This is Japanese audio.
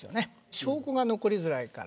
証拠が残りづらいから。